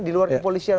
di luar kepolisian